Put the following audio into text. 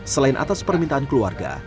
selain atas permintaan keluarga